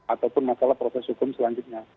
itu pun masalah proses hukum selanjutnya